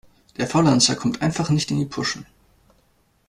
Der Faulenzer kommt einfach nicht in die Puschen.